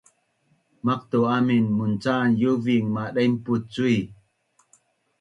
Maqtu’ amin muncan iuving madaimpuc cui